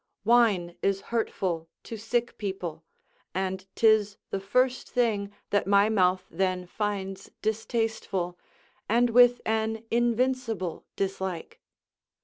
Wine is hurtful to sick people, and 'tis the first thing that my mouth then finds distasteful, and with an invincible dislike.